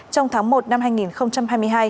trong tháng một năm hai nghìn hai mươi hai